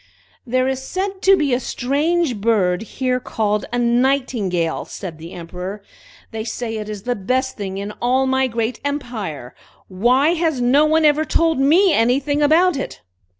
"There is said to be a strange bird here called a Nightingale!" said the Emperor. "They say it is the best thing in all my great empire. Why has no one ever told me anything about it?"